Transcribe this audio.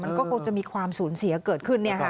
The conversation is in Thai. มันก็คงจะมีความสูญเสียเกิดขึ้น